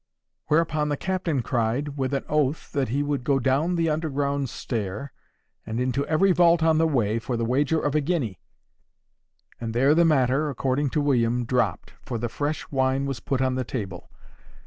Whereupon the captain cried, with an oath, that he would go down the underground stair, and into every vault on the way, for the wager of a guinea. And there the matter, according to William, dropped, for the fresh wine was put on the table.